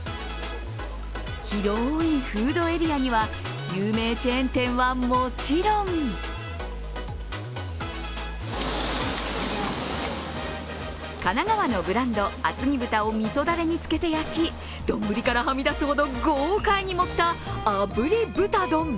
広いフードエリアには有名チェーン店はもちろん神奈川県のブランド、あつぎ豚をみそだれにつけて焼き、丼からはみ出すほど豪快に持った炙り豚丼。